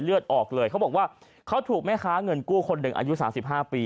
เลือดออกเลยเขาบอกว่าเขาถูกแม่ค้าเงินกู้คนหนึ่งอายุ๓๕ปี